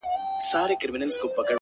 • سیاه پوسي ده خاوند یې ورک دی،